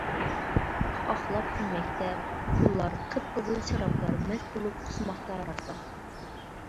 قاقاقلاپ كۈلمەكتە پۇللار قىپقىزىل شارابلار مەست بولۇپ قۇسماقتا راسا.